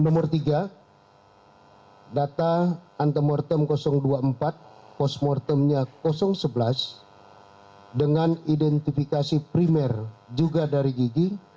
nomor tiga data antemortem dua puluh empat postmortemnya sebelas dengan identifikasi primer juga dari gigi